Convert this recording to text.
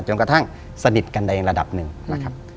จนกระทั่งสนิทกันในระดับหนึ่งนะครับ